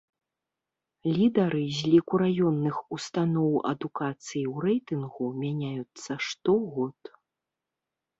Лідары з ліку раённых устаноў адукацыі ў рэйтынгу мяняюцца штогод.